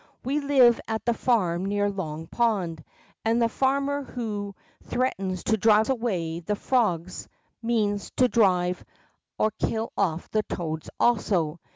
We live at the farm near Long Pond, and the farmer who threatens to drive away the frogs, means to drive or kill olT the toads also.